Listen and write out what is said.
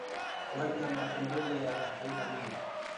maji ya matembele yana faida vingi